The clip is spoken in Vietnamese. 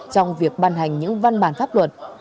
trong việc ban hành những văn bản pháp luật